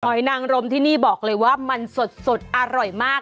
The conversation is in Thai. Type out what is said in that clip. นางรมที่นี่บอกเลยว่ามันสดอร่อยมาก